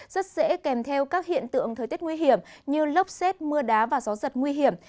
rất dễ kèm theo các hiện tượng thời tiết nguy hiểm như lốc xét mưa đá và gió giật nguy hiểm